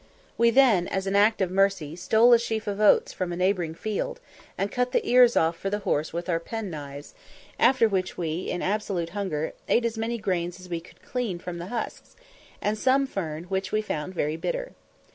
We then, as an act of mercy, stole a sheaf of oats from a neighbouring field, and cut the ears off for the horse with our penknives, after which we, in absolute hunger, ate as many grains as we could clean from the husks, and some fern, which we found very bitter.